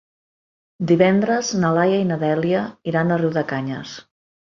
Divendres na Laia i na Dèlia iran a Riudecanyes.